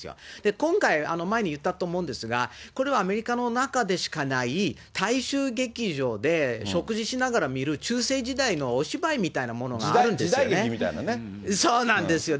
今回、前に言ったと思うんですが、これはアメリカの中でしかない大衆劇場で食事しながら見る中世時代のお芝居みたいなものがあるんですよね。